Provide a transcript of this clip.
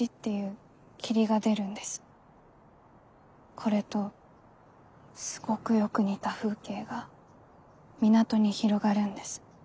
これとすごぐよく似た風景が港に広がるんです。